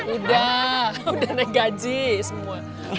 udah naik gaji semua